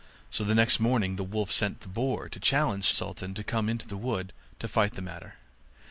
So the next morning the wolf sent the boar to challenge Sultan to come into the wood to fight the matter.